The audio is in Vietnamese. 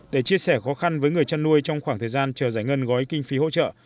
để chia sẻ khó khăn với người chăn nuôi trong khoảng thời gian chờ giải ngân gói kinh phí hỗ trợ